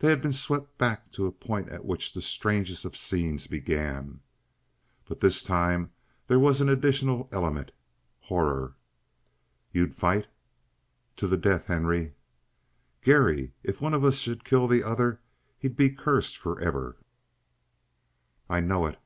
They had been swept back to the point at which that strangest of scenes began, but this time there was an added element horror. "You'd fight?" "To the death, Henry!" "Garry, if one of us should kill the other, he'd be cursed forever!" "I know it."